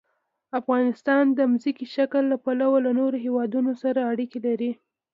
افغانستان د ځمکنی شکل له پلوه له نورو هېوادونو سره اړیکې لري.